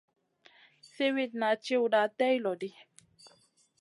Siwitna tchiwda tay lo ɗi.